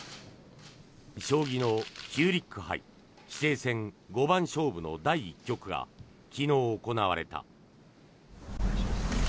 将棋のヒューリック杯棋聖戦五番勝負の第１局が昨日、行われた。